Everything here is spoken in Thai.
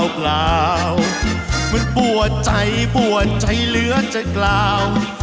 เหมือนปวดใจปวดใจเหลือใจกล่าว